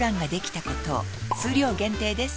数量限定です